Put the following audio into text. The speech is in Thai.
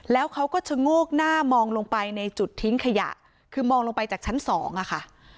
แล้วเขาก็ชะโงกหน้ามองลงไปในจุดทิ้งขยะคือมองลงไปจากชั้นสองอะค่ะ